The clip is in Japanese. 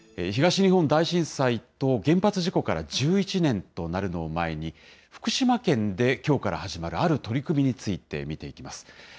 東日本大震災と原発事故から１１年となるのを前に、福島県できょうから始まるある取り組みについて見ていきます。